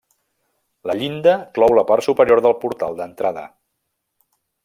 La llinda clou la part superior del portal d'entrada.